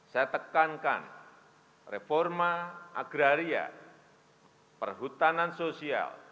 saya tekankan reforma agraria perhutanan sosial